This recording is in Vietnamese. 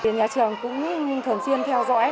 nhà trường cũng thường xuyên theo dõi